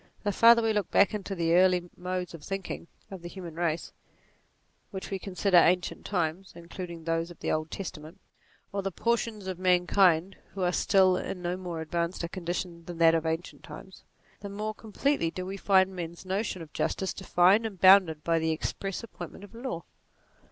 The farther we look back into the early modes of thinking of the human race, whether we consider ancient times (including those of the Old Testament) or the portions of mankind who are still in no more advanced a condition than that of ancient times, the more completely do we find men's notions of justice defined and bounded by the express ap pointment of law.